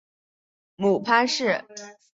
母潘氏。